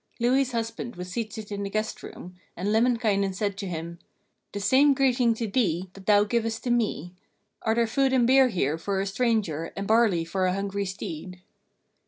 Louhi's husband was seated in the guest room, and Lemminkainen said to him: 'The same greeting to thee that thou givest to me! Are there food and beer here for a stranger and barley for a hungry steed?'